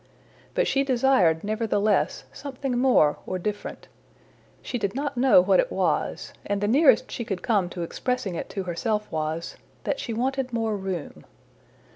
But she desired, nevertheless, something more or different. She did not know what it was, and the nearest she could come to expressing it to herself was that she wanted more room.